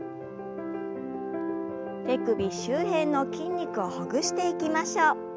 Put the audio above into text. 手首周辺の筋肉をほぐしていきましょう。